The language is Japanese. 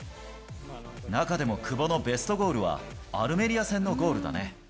中でも久保のベストゴールは、アルメリア戦のゴールだね。